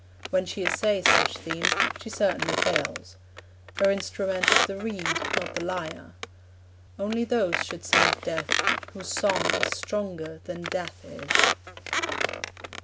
When she essays such themes, she certainly fails. Her instrument is the reed, not the lyre. Only those should sing of Death whose song is stronger than Death is.